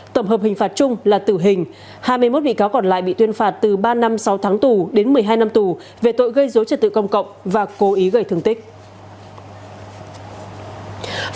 tổng hợp hình phạt chung là tử hình hai mươi một bị cáo còn lại bị tuyên phạt từ ba năm sáu tháng tù đến một mươi hai năm tù về tội gây dối trật tự công cộng và cố ý gây thương tích